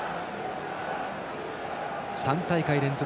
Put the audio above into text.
３大会連続